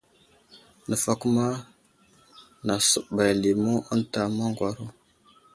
Nəfakuma nasəɓay limu ənta maŋgwaro.